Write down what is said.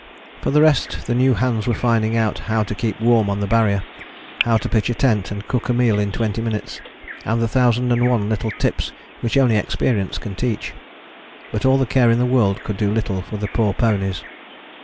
For the rest the new hands were finding out how to keep warm on the Barrier, how to pitch a tent and cook a meal in twenty minutes, and the thousand and one little tips which only experience can teach. But all the care in the world could do little for the poor ponies.